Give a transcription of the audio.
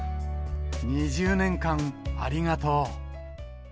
２０年間、ありがとう。